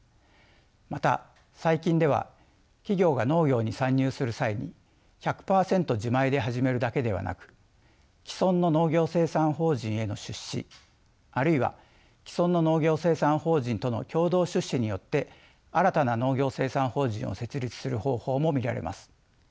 また最近では企業が農業に参入する際に１００％自前で始めるだけではなく既存の農業生産法人への出資あるいは既存の農業生産法人との共同出資によって新たな農業生産法人を設立する方法も見られます。